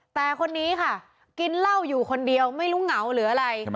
แต่คนนี้ค่ะกินเหล้าอยู่คนเดียวไม่รู้เหงาหรืออะไร